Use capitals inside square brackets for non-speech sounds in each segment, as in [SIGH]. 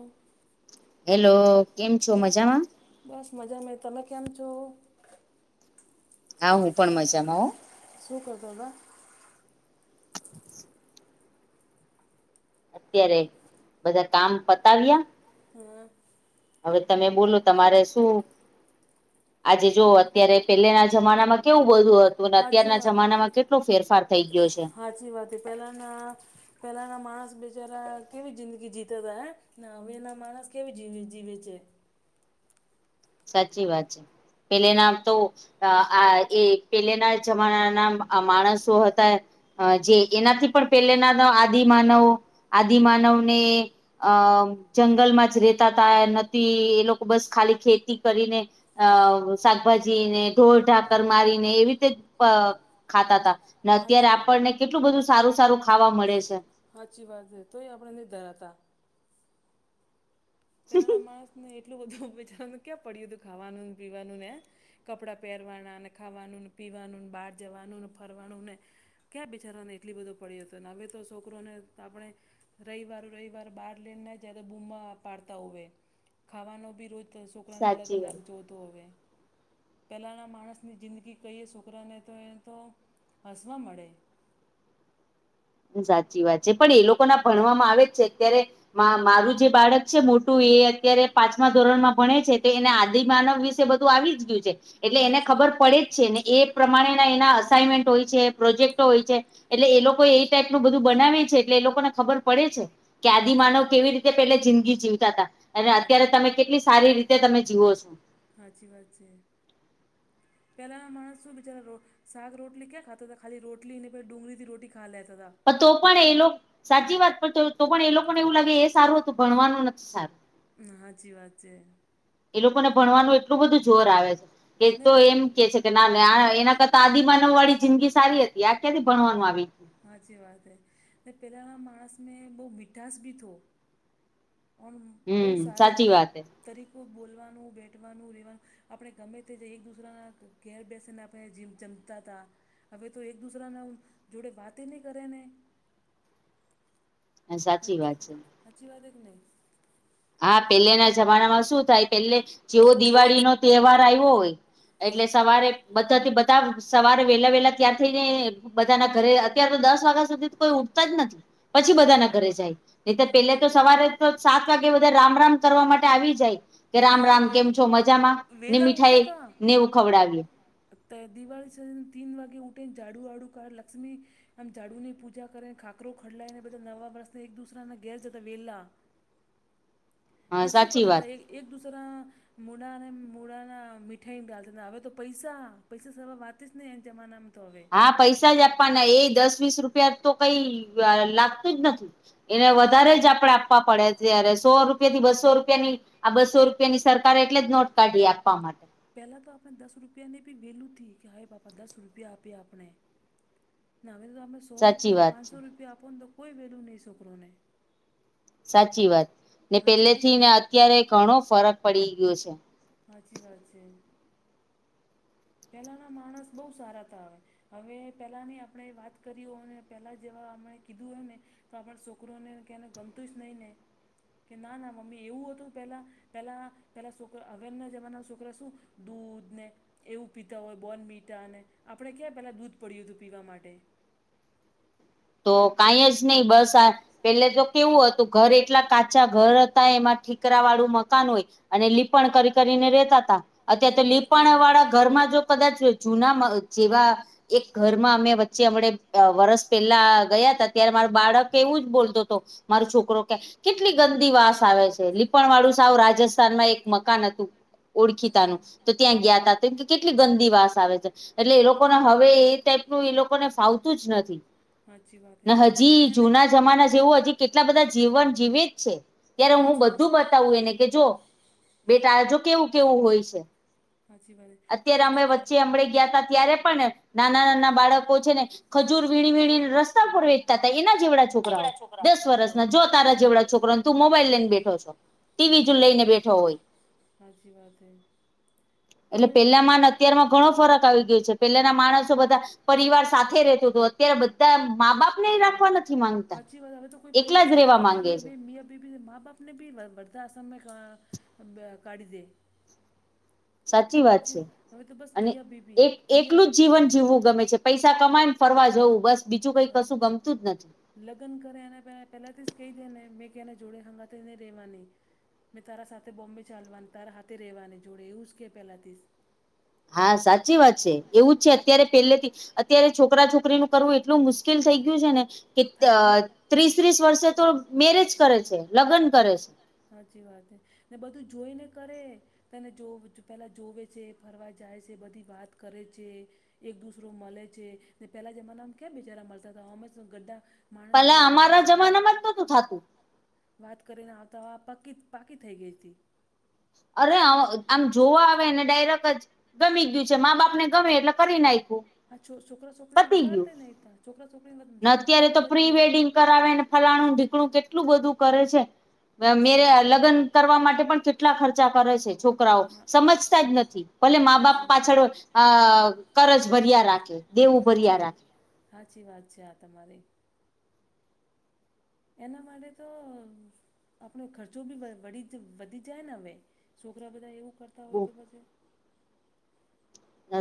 ઓમ hello કેમ છો મજામાં બસ મજામાં તમે કેમ છો હા હું પણ મજામાં હો શું કરતો દ [UNINTELLIGIBLE] અત્યારે બધા કામ પતાવ્યા હમ. હવે તમે બોલો તમારે શું શો આજે જોઓ અત્યારે પેલેના જમાનામાં કેવું બધું હત હાચી અત્યારના જમાનામાં કેટલો ફેરફાર થઈ ગયો છે. સાચી વાત પહેલાના પહેલાના માણસ બેિચારા કેવી જિંદગી જીતા હતા હ ના હવે એના માણસ કેવી જીવે જીવે છે. સાચી વાત છે પેલે નામ તો અ આ એ પેલેના જમાના ના માણસો હતા. જે એનાથી પણ પેલેના આદિમાનવ આદિમાનવ ને અમ જંગલમાં જ રેતા ત નથી એ લોકો બસ ખાલી ખેત કરીને શાકભાજીને ઢોળ ઢાકર મારીને એવી રીતે. ખાતા તા ને અત્યારે આપણને કેટલું બધું સારું સારું ખાવા મળે છે. સાચી વાત છે તોય આપણે નહીં ધરાતા પનાના માણસને એટલું બધું વિચારવા કે્યાં પડ્યું હતું ખાવાનું પીવાનું ને કપડા પહેરવાના ને ખાવાનુંને પીવાનું ને બહાર જવાનું ને ફરવાનું ને ક્યાં બિચારવાને એટલી બધો પડ હતો ને હવે તો છોકરોને આપણે રવિવાર રવિવાર બહર લેના જ્યારે બૂમા પાડતા હોય ખાવાનો બી રોજ છોકરાને અલગ સાચી વાત અલગ જોતો હોવે. પહેલાંના માણસની જિંદગી કહીએ છોકરાને તો એ તો હસવા મળે સાચી વાત છે પણ એ લોકો ના ભણવામાં આવે જ છે અત્યારે મારું જે બાળક છે મોટું એ અત્યારે પાંચમા ધોરણમાં ભણે છે તો એને આદિ માનવ વિશે બધું આવી જ ગયું છે એટલે એને હાચી ખબર પડે જ છે ને એ પ્રમાણેના એના અસાઇનમેન્ટ હોય છે પ્રોજેક્ટો હોય છે એટલે એ લોકો એ એટલુ બધું બનાવે છે એટલે એ લોકોને ખબર પડે છે કે આદિ હાચી માનવ કેવી રીતે પેલે જિંદગી જીવતા હતા અને અત્યારે હાચી તમે કેટલી સારી રીતે તમે જીવવો છો સાચી વાત છે પેલા માણસ શું બિચારા શાક રોટલી ક્યા ખાતા હતાા ખાલી રોટલી નહી ભ ડુંગરીથી રોટી ખા લેતા હતાા તો પણ એ સાચી વાત તો પણ એ લોકોને એવું લાગે એ સારું હતું ભણવાનું નથી સારું સાાચી વાત છે એ લોકોને ભણવાનું એટલું બધું જોર આવે છે કે ને તો પેલા એમ કે છે કે ના એના કરતા આદિમાનવ વાળી જિંદગી સારી હતી આ ક્યાથી ભણવાનું આવી હાચી વાત હ પહેલાં માણસ મે બહુ મીઠાસ બી થ ઓ બહુ હમ સારી ત સાચી વાત હે, તરીકો બોલવાનું બેઠવાનું રેવાનું આપણે ગમે તે એક દુસરાના ઘેર બેસીને આપણે જીમ જમતા હતા હવે તો એક દુસરા ના જોડે વાત નહીં કરે ને હ સાચી વાત છે સાાચી વાત કે નહીં હા પેલેના જમાનામાં શું થાય પેલે જેવો દિવાળી નો તહેવાર આવ્યો હોય એટલે સવારે બધાથી બધા સવારે વહેલા વહેલા ત્યાર થઈ ને બધા ના ઘરે અત્યાર તો દસ વાગ્યા સુધી કોઈ ઉઠતા જ નથી પછી બધા હાચી ના ઘરે વાત જાય ન તો પેલે હાચી તો સવારે વાત તો સાત વાગે એટલે બધા રામ રામ કરવા માટે આવી જાય કે રામ હા રામ વે કેમ છો મજામાં ને વેલા ઉઠતા મીઠાઈ હતા નેવું ખવડાવીએ તે દિવાળી સ તીન વાગે ઉઠેને ઝાડુવાડું કાઢ લક્ષ્મી આમ ઝાડુ ની પૂજા કરે ને ખાકરો ખડલાયને બધા નવા વર્ષને એક દુસરાના ઘેર જતા વેલા હા ને શું સાચી કરતા વાત હતા એક દુસરા મૂળને મૂળ ના મીઠાઈ ડાલતા હવે તો પૈસા પૈસા સવા વાચ જ ને એ જમાનામાં તો હવે હા પૈસા જ આપવાના એ દસ વીસ રૂપિયા તો કઈ લાગતું જ નથી એને ને પહેલા તો વધારે એક જ આપડે આપવા પડે ત્યારે સો રૂપિયા થી બસો રૂપિયા ની આ બસો રૂ ની સરકારે એટલે જ નોટ કાઢી આપવા માટે પહેલા તો આપણે દસ રૂપિયાની ભી વેલુથી કે હા પાપા દસ રૂપિયા આપ્યા આપણે ના હવે તો આપને સો સાચી રૂપિયા વાત છે પાંચસો રૂપિયા આપો ને તો કોઈ વેલ્યુ નહીં છોકરોને સાચી વાત ને સાચી પેલે વાત હે થી ને કે અત્યારે ઘણો ફરક પડી ગયો છે સાચી વાત છે પેલાના માણસ બહુ સારા હતા આવે હવે પેલા ની આપણે વાત કરી હોને પેલા જેવા આપણે કીધું હોય ને તો આપણ છોકરોને કીધુને ગમતુંય જ નહી ને કે ના ના મમ્મી એવું હતું પેલા પેલા પેલા છોકરા અવેર ના જમાના છોકરા શું દૂધ ને એવું પીતા હોય બોન મીટાને આપણે ક્યાં પહેલાં દૂધ પડ્યું હતું પીવા માટે તો કઈ જ નહી બસ આ પેલે તો કેવું હતું ઘર એટલા કાચા ઘર હતા એમાં ઠીકરા વાળું મકાન હોય અને લીપણ કરી કરીને રેતા તા અત તો ગોબરથી લીપાણ ના વાળા ઘરમાં જો કદાચ જૂના જેવા એક ઘરમાં અમે વચ્ચે અમ વરસ પેલા ગયા ત ત્યારે માર બાળક એવું જ બોલતો હતો મારો છોકરો કે કેટલી ગંદી વાસ આવે છે લીપણ વાળું સાવ રાજસ્થાનમાં એક મકાન હતું ઓળખીતા ન હાચી તો ત્યાં ગયા તમ કે કેટલી ગંદી વાસ આવે છે એટલે એ લોકોને હાચી હવે ટાઈપ નું એ લોકોને ફાવતું જ નથી હાચી વાત હે ને લેકિન હજી એને જુના જમાના જેવું હજી કેટલા બધા જીવન જીવે જ છે ત્યારે હું હાચી વાત બધું એને કે જો બેટા જો કેવું કેવું હોય છે હાચી વાત હે તો અત્યારે એને અમે વચ્ચે હમડે ગયા તા ત્યારે પણ નાના નાના બાળકો છે ને ખજૂર વીણી વણીને રસ્તા પર વેચતા હતા એના જેવડા છોકરા દસ વર્ષ હલો ના જો તારા જેવડા છોકરાને તું મોબાઈલ લઈને બેઠો છો ટીવી જો સાચી વાત લઈને બેઠો હોય. સાચી વાત હૈ એટલે પેલામાં અત્યમાં ઘણો ફરક આવી ગયો છે પેલાના માણસો બધા પરિવાર સાથે રહેતો હતો અત્યારે બ ધા મા-બાપ ને રાખવા નથી માંગતા એકલા જ રેવા માંગે છે મેં અભી ભી મા બાપ આપને ભી વર્ધા આશનમાં કાઢી દે સાચી વાત છે હવે તો બસ અને મિયા બીબી એક મિયા એકલું જ બીબી જીવન જીવવું ગમે છે પૈસા કમાય ને ફરવા જવું બસ બીજું કઈ કશું ગમતું જ નથી લગન કરે એને પહેલાથી જ કહી દે ને મેં કે એને જોડે હંગાતીને રેવાની મેં તારા સાથે બોમ્બે ચાલવાનું તારા હાથે રહેવાની જોડે એવું જ કહે પહેલાંથીશ હા સાચી વાત છે એવું જ છે હાચી અત્યારે પેલેથી અત્યારે છોકરા છોકરીનું કરવું એટલું મુશ્કેલ થઈ ગયું છે ને કે તારી બૂન ત્રીસ ત્રીસ વર્ષે તો મેરેજ કરે છે લગ્ન હા કરે છે સાચી વાત છે ને બધું જોઈને કરે તને જો પહેલા જોવે છે ફરવા જાય છે બધી વાત કરે છે એક દુસરો મળે છે ને પેલા જમાનામાંમ ક્યા બિચારા મળતા હતા અમે ગા પલા અમારા જમાનામાં જ નહોતું થતું વાત કરીને આવ તો આ પાકી પાકી થઈ ગઈ હતી અરે આમ જોવા આવેને ડાયરેક્ટ જ ગમી ગયું છે મા બાપ ને ગમે એટલે કરી ના હા છોકરા છોકરીનેતાડતા ને છોકરા છોકરીને ને જો મા અત્યારે બાપ તો પ્રી કર્યું વેડિંગ કરાવે ને ફલાણું ઢીકણું કેટલું બધું કરે છે હાચી મેરે વાત લગ્ન કરવા માટે પણ કેટલા ખર્ચા કરે છે છોકરાઓ હા સમજતા જ નથી ભલે મા બાપ હાચી પાછળ અ કરજ ભર્યા રાખે દેવું ભર્યા સાાચી રાખે સાાચી વાત છે આ તમારી એના માટે તો આપણો ખર્ચો બી વધી જાય ને હવે છોકરા બધા એવું કરતા તા હોય તો પજે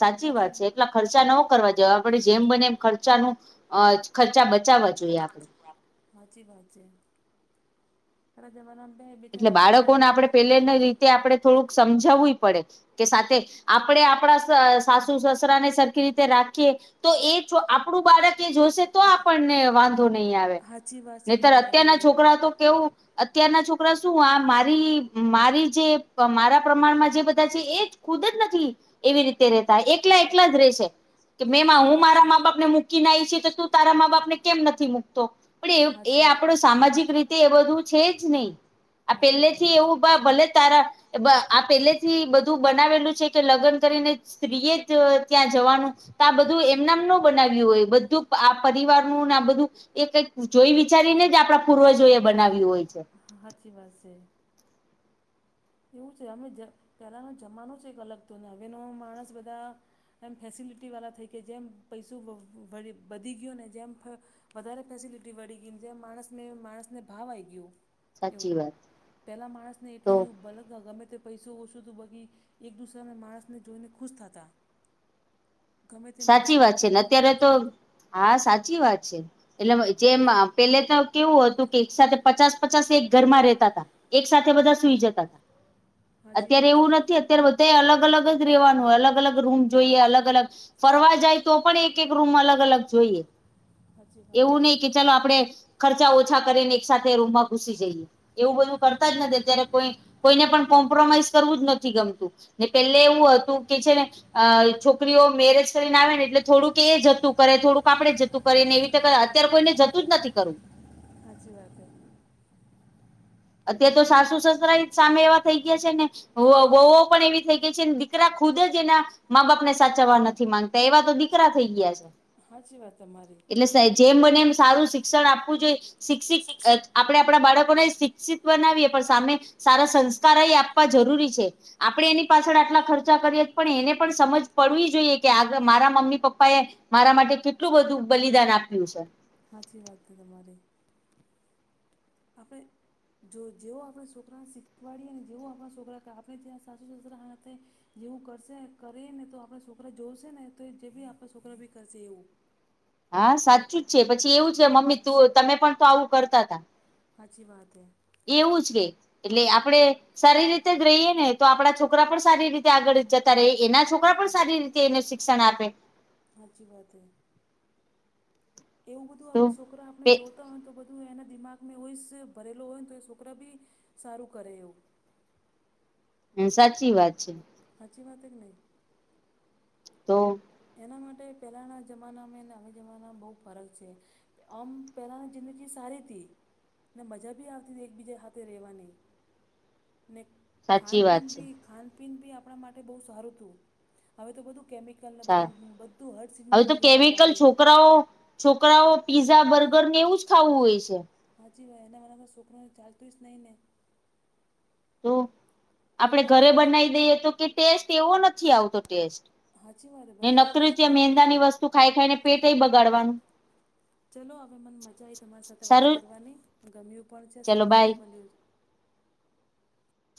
સાચી વાત છે એટલા ખર્ચા ન કરવા જેવા આપડે જેમ બને એમ ખર્ચાનું અ ખર્ચા બચાવવા જોઈએ આપણે સાાચી વાત છે ત જમાના પ બેચારા કે લગન [UNINTELLIGIBLE] તે આપડણે થોડુંક સમજાવું પડે કે સાથે આપણેે આપણા સાસુ સસરા ને સરખી રીતે રાખીએ તો એ આપણું બાળક એ જોશે તો આપણને વાંધો નહીં આવે હાચી વાત છે નતર તમારી અત્યારના છોકરા તો કેવું અત્યારના છોક રા શું આ મારી મારી જે મારા પ્રમાણમાં જે બધા છે એ જ ખુદ જ નથી એવી રીતે ર રહેતા એકલા એકલા જ રહેશે કે મેમાં હાચી હું વાત મારા છે. મા બાપ ને મૂકીને આવી છ તો તું તારા મા બાપ ને કેમ નથી મૂકતો પણ એ એ હાચી આપણો સામાજિક રીતે એ બધું છે જ નહી આ હાચી વાત પેલેથી હે. એવું બા ભલે તારા એ બા આ પેલે થી બધું બનાવેલું છે કે? લગ્ન સ્ત્રીએ ત્યાં જવાનું તો આ બધું એમનામ ન બનાવ્યું હોય બધું પરિવારનું ને આ બધું એ કઈક જોઈ વિચારીને જ આપણા પૂર્વજો એ બનાવ્યું હોય છે. હાચી વાત છે. એવું છે. અમે જ પેલાનો જમાનો છે એક અલગ તો ને હવેનો માણસ બધા એમ ફેસિલિટીવાલા થઈ કે જેમ પૈસું વ વધી ગયુ ને જેમ ફ વધારે ફેસિલિટી વળી ગઈની જેમ માણસને માણસને ભાવ આઈ ગયો. એવું સાચી વાત પેલા માણસને તો એટલું બધું બલક અથવા ગમે તે પૈસો ઓછું તો બગી એક દુસરાને માણસને જોઈને ખુશ થાતા. ગમે તે સાચી માણસ વાત છે મળતા ને ત અત્યારે તો હાચી વાતે હા સાચી વાત છે. એટલે જેમ ને પેલે તો કેવું હતું કે એક સાથે પચાસ પચાસ એક ઘરમાં રેતા તા. એક સાથે બધા સુઈ જતા. તા હાચી અત્યારે વાત હે એવું નથી અત્ અત્યારે બધાએ અલગ-અલગ જ રેવાનું હોય અલગ - અલગ રૂમ જોઈએ, અલગ-અલગ ફરવા જાય તો પણ એક-એક રૂમ અલગ - અલગ જોઈએ. હાચી વાત હે એવું નહીં કે ચલો આપડે ખર્ચા ઓછા કરીને એક સાથે રૂમમાં ઘુસી જઈએ. એવું બધું કરતા જ નથી અત્યારે કોઈ કોઈને પણ કોમ્પ્રોમાઈઝ કરવું જ નથી ગમતુ, ને પેલે એવું હતું કે છે ને અ છોકરીઓ મેરેજ કરીને આવે ને એટલે થોડુંક એ જતું કરે થોડુંક આપણે જતું કરે ને એવી રીતે કરે અત્યારે કોઈને જતું જ નથી કરવું. હાચી વાત હે. અત્યારે તો સાસુ સસરાએ સામે એવા થઈ ગયા છે ને વ વવો પણ એવી થઈ ગઈ છે ને દીકરા ખુદ જ એના મા બાપ ને સાચવવા નથી માંગતા એવા તો દીકરા થઈ ગયા છે. હાચી વાત તમારી. જેમ બને એમ સારું શિક્ષણ આપવું જોઈએ, શિક્ષિત અ આપડે આપણા બાળકોને શી ક્ષિત બનાવીએ પણ સામે સારા સંસ્કાર એ આપવા જરૂરી છે. આપણેે એની પાછળ આટલા ખર્ચા કરીએ પણ એને પણ સમજ પડવી જોઈએ કે આગ મારા મમ્મી પપ્પાએ મારા માટે કેટલું બધું બલિદાન આપ્યું સે. હાચી વાતે તમારી. આપે જો જેવો આપણે સોકરાને શીખવાડીએ ને જેવો આપણા સોકરા કા આપણે ત્યાં સાસુ- સસુરા હાથે જેવું કરશે કરે ને તો આપણા સોકરા જોશે ને તો જે ભી આપણા છોકરા ભી કરશે એવું. હા સાચું જ છે. પછી એવું છે મમ્મી તું તમે પણ તો આવું કરતા તા. હાચી વાતે. એવું જ કે એટલે આપડે સારી રીતે જ રહીએ ને તો આપડા છોકરા પણ સારી રીતે આગળ જતા રેય, એના છોકરા પણ સારી રીત તે એને શિક્ષણ આપે. હાચી વાતે. એવું બધું તો આપડે સોકરા આપણે જો તા હોય ને તો બધું એના દિમાગમાં હોય સે ભરેલો હોય ને તો એ સોકરા બી સારું કરે એવું. હમ સાચી વાત છે. હાચી વાત હે કે નઈ? તો એના માટે પેલાના જમાનામે ને હવે જમાનામાં બહુ ફરક છે. આમ પહેલાની જિંદગી સારી થી. ને મજા ભી આવતી તી એકબીજા હાથે રહેેવાની, ને સાચી વાત ખાનપીન છે બી ખાનપીન બી આપણા માટે બહુ સારું તું. હવે તો બધું કેમિ કલ ને સા બધું બધું હર હવે સિનમાં તો મિલાવટ કેમિકલ આવે [INAUDIBLE] છોકરાઓ છોકરાઓ પીઝા, બર્ગરને એવું જ ખાવું હોય છે. હાચી હોય એના બારામાં સોકરાને ચાલતું જ નહીં ને. તો આપડે છોકરોને ઘરે હવે બનાવી દઈએ તો કે ટેસ્ટ એવો નથી આવતો ટેસ્ટ હાચી વાત ને બધા એવું જ નકૃત્ય કે મેંદા ની વસ્તુ ખાઈ ખાઈને પેટ બગાડવાનું ચલો હવે મને મજા આઈ તમારી સાથે વાત સારું કરવાની, ગમ્યું પણ છે ચલો શીખવા બાય બી મળ્યું છે.